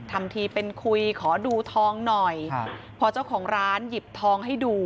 ทำทีเป็นคุยขอดูทองหน่อยครับพอเจ้าของร้านหยิบทองให้ดู